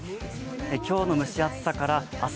今日の蒸し暑さから明日